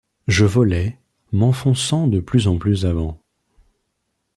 Je volai, m’enfonçant de plus en plus avant